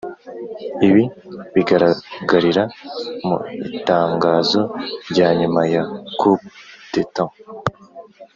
ibi bigaragarira mu itangazo rya nyuma ya coup d' état,